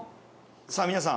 さあ皆さん